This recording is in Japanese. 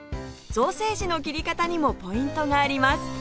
ソーセージの切り方にもポイントがあります！